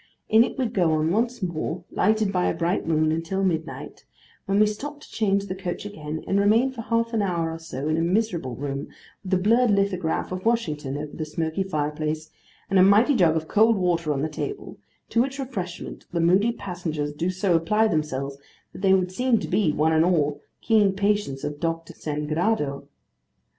In it we go on once more, lighted by a bright moon, until midnight; when we stop to change the coach again, and remain for half an hour or so in a miserable room, with a blurred lithograph of Washington over the smoky fire place, and a mighty jug of cold water on the table: to which refreshment the moody passengers do so apply themselves that they would seem to be, one and all, keen patients of Dr. Sangrado.